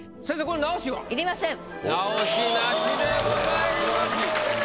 直しなしでございます。